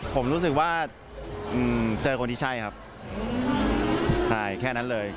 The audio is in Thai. ผมรู้สึกว่าเจอคนที่ใช่ครับใช่แค่นั้นเลย